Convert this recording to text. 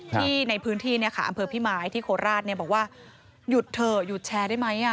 ที่ในพื้นที่อำเภอพี่ไม้ที่โคราชบอกว่าหยุดเถอะหยุดแชร์ได้ไหม